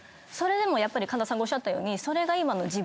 それでもやっぱり神田さんがおっしゃったように。